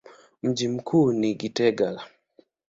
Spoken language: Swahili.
Mji mkuu ni Gitega.